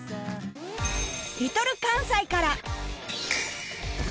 Ｌｉｌ かんさいから